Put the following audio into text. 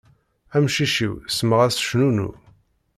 Amcic-iw semmaɣ-as cnunnu.